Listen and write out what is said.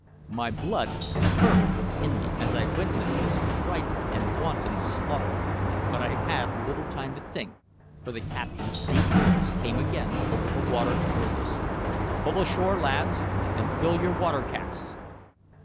My blood curdled within me as I witnessed this frightful and wanton slaughter; but I had little time to think, for the captain's deep voice came again over the water towards us: "Pull ashore, lads, and fill your water casks!"